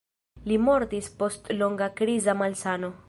Li mortis post longa kriza malsano.